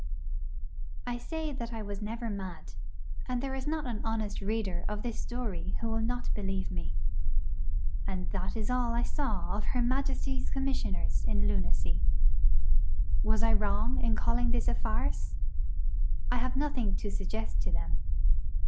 I say that I was never mad; and there is not an honest reader of this story who will not believe me. And that is all I saw of her Majesty's Commissioners in Lunacy. Was I wrong in calling this a farce? I have nothing to suggest to them.